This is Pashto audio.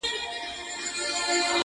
• د بخشش او د ستایلو مستحق دی,